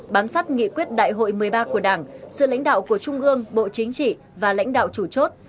bám sát nghị quyết đại hội một mươi ba của đảng sự lãnh đạo của trung ương bộ chính trị và lãnh đạo chủ chốt